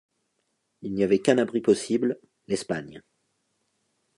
Il n’y avait qu’un abri possible, l’Espagne.